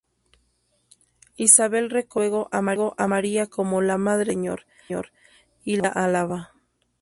Isabel reconoce luego a María como la "Madre de su Señor" y la alaba.